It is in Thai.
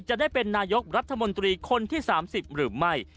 จะได้เป็นนายกรัฐมนตรีคนที่๓๐หรือไม่